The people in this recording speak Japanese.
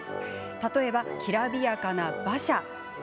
例えば、きらびやかな馬車。